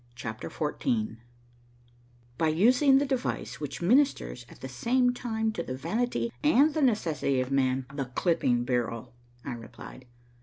CHAPTER XIV "By using the device which ministers at the same time to the vanity and the necessity of man, the clipping bureau," I replied.